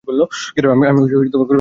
আমি গর্বিত নই।